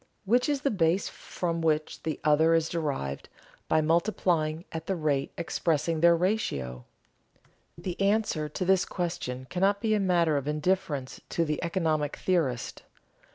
Which is the base from which the other is derived by multiplying at the rate expressing their ratio? The answer to this question cannot be a matter of indifference to the economic theorist.